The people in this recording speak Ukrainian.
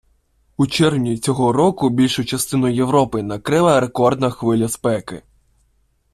У червні цього року більшу частину Європи накрила рекордна хвиля спеки